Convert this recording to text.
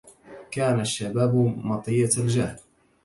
كان الشباب مطية الجهل